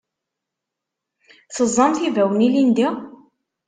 Teẓẓamt ibawen ilindi?